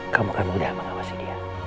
kamu akan mudah mengawasi dia